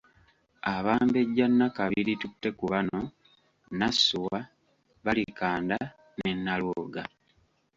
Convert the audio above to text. Abambejja Nnakabiri Tuttekubano, Nassuwa, Balikanda ne Nnalwoga.